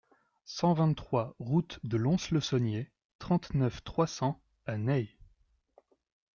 cent vingt-trois route de Lons-le-Saunier, trente-neuf, trois cents à Ney